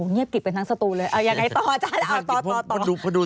เนี๊ยบกลิบไปทั้งสตูป์เลย